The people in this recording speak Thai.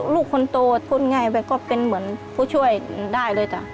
ลูกคนโตพูดง่ายไปก็เป็นเหมือนผู้ช่วยได้เลยจ้ะ